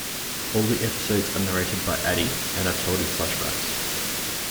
All the episodes are narrated by Addie, and are told in flashbacks.